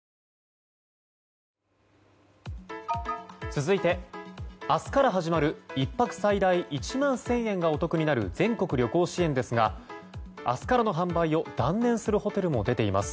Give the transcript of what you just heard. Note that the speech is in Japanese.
続いて明日から始まる１泊最大１万１０００円がお得になる全国旅行支援ですが明日からの販売を断念するホテルも出ています。